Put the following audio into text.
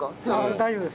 大丈夫です。